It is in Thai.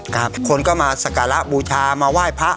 คนก็มาสการะบูชามาไหว้พระ